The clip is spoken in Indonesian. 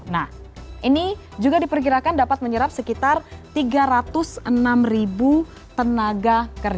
nah ini juga diperkirakan dapat menyerap sekitar tiga ratus enam ribu tenaga kerja